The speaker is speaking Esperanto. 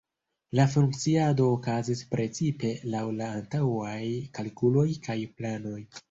La funkciado okazis precize laŭ la antaŭaj kalkuloj kaj planoj.